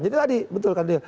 jadi tadi betul kan